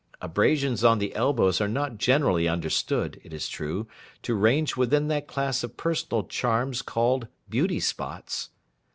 Abrasions on the elbows are not generally understood, it is true, to range within that class of personal charms called beauty spots.